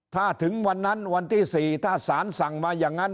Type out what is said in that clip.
ถ้าถึงวันนั้นวันที่๔ถ้าสารสั่งมาอย่างนั้น